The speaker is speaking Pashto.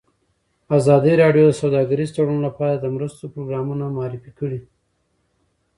ازادي راډیو د سوداګریز تړونونه لپاره د مرستو پروګرامونه معرفي کړي.